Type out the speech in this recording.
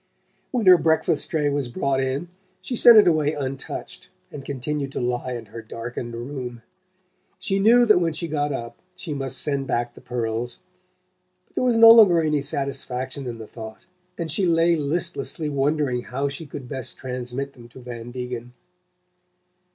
When her breakfast tray was brought in she sent it away untouched and continued to lie in her darkened room. She knew that when she got up she must send back the pearls; but there was no longer any satisfaction in the thought, and she lay listlessly wondering how she could best transmit them to Van Degen.